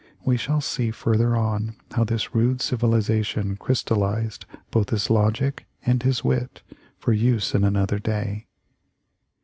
We shall see further on how this rude civilization crystallized both his logic and his wit for use in another day.